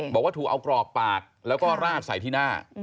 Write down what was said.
บอกว่าถูกเอากรอกปากแล้วก็ราดใส่ที่หน้า